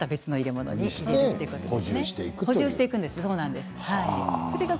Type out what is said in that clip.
そして補充していくんです。